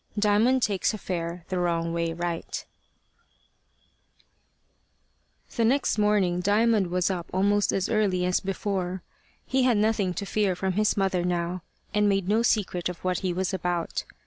DIAMOND TAKES A FARE THE WRONG WAY RIGHT THE next morning Diamond was up almost as early as before. He had nothing to fear from his mother now, and made no secret of what he was about.